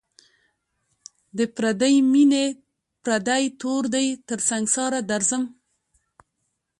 د پردۍ میني پردی تور دی تر سنگساره درځم